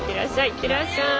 いってらっしゃい。